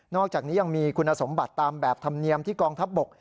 อกจากนี้ยังมีคุณสมบัติตามแบบธรรมเนียมที่กองทัพบก